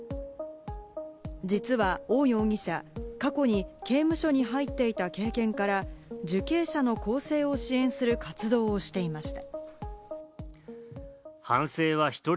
実はオウ容疑者、過去に刑務所に入っていた経験から受刑者の更生を支援する活動をしていました。